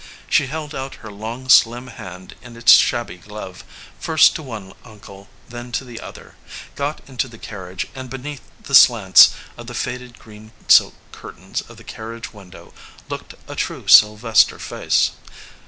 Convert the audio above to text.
She held out her long slim hand in its shabby glove, first to one uncle, then to the other, got into the carriage, and beneath the slants of the faded green silk cur tains of the carriage window looked a true Sylves ter face.